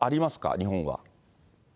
日本は。